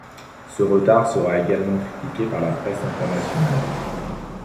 Ce retard sera également critiqué par la presse internationale.